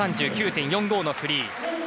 １３９．４５のフリー。